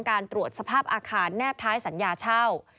การตรวจสภาพอาคารแนบท้ายสัญญาเช่า